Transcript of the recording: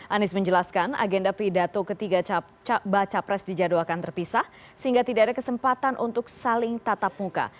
anies menjelaskan agenda pidato ketiga baca pres dijadwalkan terpisah sehingga tidak ada kesempatan untuk saling tatap muka